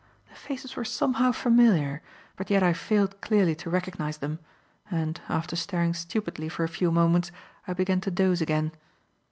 The faces were somehow familiar, but yet I failed clearly to recognize them, and, after staring stupidly for a few moments, I began to doze again.